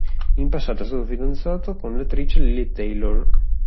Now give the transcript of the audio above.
In passato è stato fidanzato con l'attrice Lili Taylor.